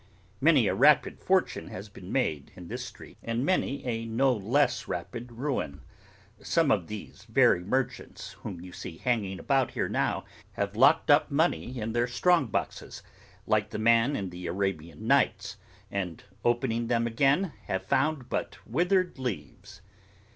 Many a rapid fortune has been made in this street, and many a no less rapid ruin. Some of these very merchants whom you see hanging about here now, have locked up money in their strong boxes, like the man in the Arabian Nights, and opening them again, have found but withered leaves.